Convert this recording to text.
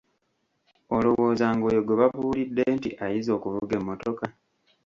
Olowooza ng'oyo gwe babuulidde nti ayize okuvuga emmotoka?